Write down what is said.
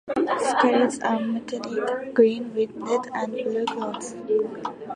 Scales are metallic green with red and blue clothing.